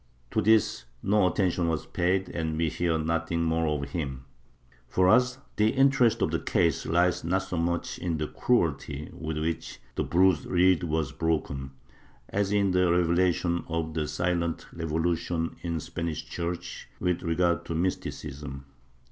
To this no attention was paid and we hear nothing more of him. For us the interest of the case lies not so much in the cruelty with which the bruised reed was broken, as in the revelation of the silent revolution in the Spanish Church with regard to mysti cism.